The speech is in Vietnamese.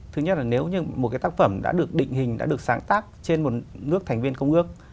thứ nhất là nếu như một cái tác phẩm đã được định hình đã được sáng tác trên một nước thành viên công ước